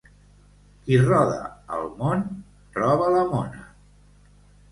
Qui roda el món, troba la mona.